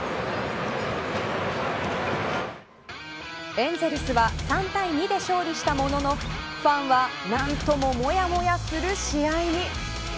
エンゼルスは３対２で勝利したもののファンは何とももやもやする試合に。